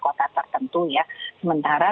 kota tertentu ya sementara